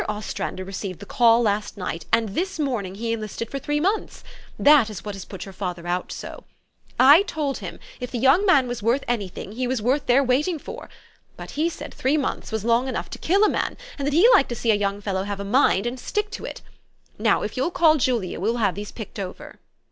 Ostrander received the call last night, and this morning he enlisted for three months. That is what has put your father out so. I told him, if the young 136 THE STORY OF AVIS. man was worth any thing, he was worth their waiting for. But he said three months was long enough to kill a man, and that he liked to see a } T oung fellow have a mind, and stick to it. Now, if you'll call Julia, we will have' these picked over."